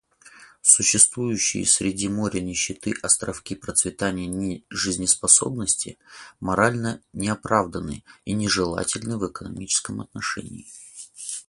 Существующие среди моря нищеты островки процветания нежизнеспособны, морально неоправданны и нежелательны в экономическом отношении.